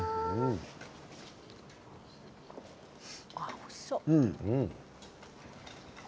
おいしそう。